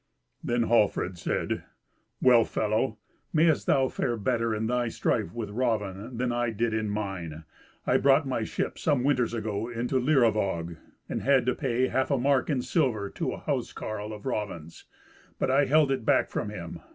Then Hallfred said, "Well, fellow, may'st thou fare better in thy strife with Raven than I did in mine. I brought my ship some winters ago into Leiruvag, and had to pay a half mark in silver to a house carle of Raven's, but I held it back from him.